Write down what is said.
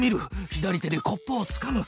左手でコップをつかむ。